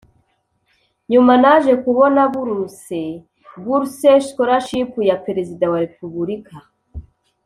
Nyuma naje kubona buruse (bourse/scholarship) ya Perezida wa Repubulika